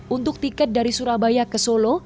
untuk tiket dari surabaya ke solo